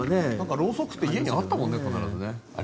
ろうそくって必ず家にあったもんね。